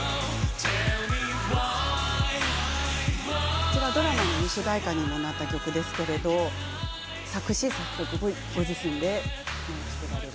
こちらはドラマの主題歌にもなった曲ですけれども作詞・作曲もご自身でやられた。